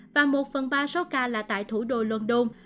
và một phần ba số ca là tại thủ đô london